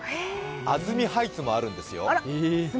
あずみハイツもあるんですよ。